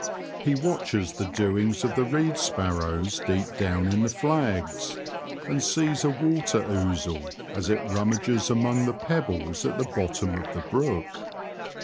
He watches the doings of the reed sparrows deep down in the flags, and sees a water ouzel as it rummages among the pebbles at the The Confessions of a T^oacher. 15 bottom of the brook.